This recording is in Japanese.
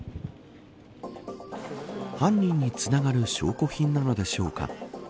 犯人につながる証拠品なのでしょうか。